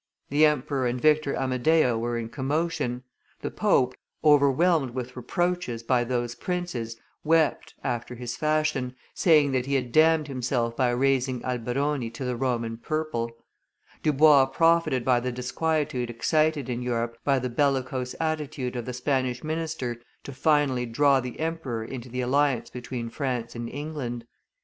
The emperor and Victor Amadeo were in commotion; the pope, overwhelmed with reproaches by those princes, wept, after his fashion, saying that he had damned himself by raising Alberoni to the Roman purple; Dubois profited by the disquietude excited in Europe by the bellicose attitude of the Spanish minister to finally draw the emperor into the alliance between France and England.